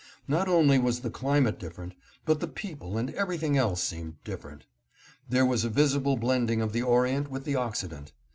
Not only was the climate dif ferent, but the people and everything else seemed differ ent. There was a visible blending of the orient with the Occident.